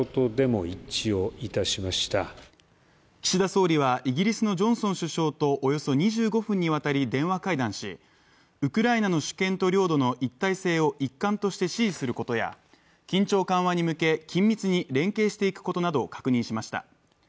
岸田総理はイギリスのジョンソン首相とおよそ２５分にわたり電話会談し、ウクライナの主権と領土の一体性を一貫として支持することや緊張緩和に向け、緊密に連携していくことなどを確認しました。